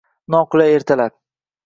Noqulay ertalab